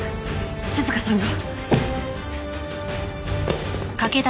静さんが。